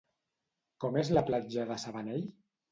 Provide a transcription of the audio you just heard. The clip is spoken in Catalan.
Com és la platja de S'Abanell?